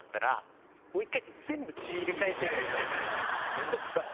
面倒くさっ。